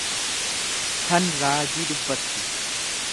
tan raajii dubbattu.